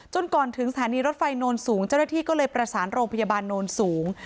ก่อนถึงสถานีรถไฟโนนสูงเจ้าหน้าที่ก็เลยประสานโรงพยาบาลโนนสูง